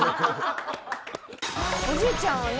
おじいちゃんはね